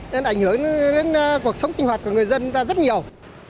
nên ảnh hưởng đến cuộc sống sinh hoạt của người dân ra rất nhiều